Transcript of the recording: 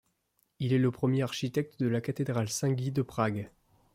Il est le premier architecte de la cathédrale Saint-Guy de Prague.